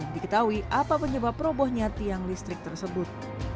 diketahui apa penyebab robohnya tiang listrik tersebut